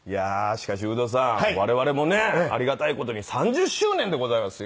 しかしウドさん我々もねありがたい事に３０周年でございますよ。